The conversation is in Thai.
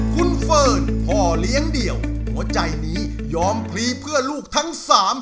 คุณเฟิร์นพ่อเลี้ยงเดี่ยวหัวใจนี้ยอมพลีเพื่อลูกทั้งสาม